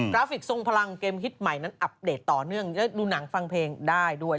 ราฟิกทรงพลังเกมฮิตใหม่นั้นอัปเดตต่อเนื่องและดูหนังฟังเพลงได้ด้วย